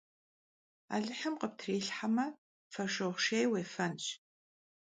Alıhım khıptrilhheme, foşşığu şşêy vuêfenş.